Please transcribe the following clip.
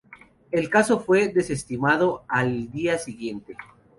El caso fue desestimado al día siguiente.